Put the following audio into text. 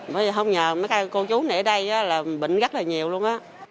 bây giờ không nhờ mấy cô chú này ở đây là bệnh rất là nhiều luôn